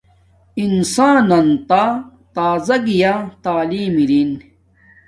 انسان نن تارڎ گیا تعلیم اری